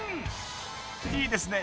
いいですね